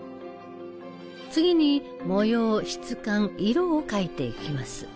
次に模様質感色を描いていきます。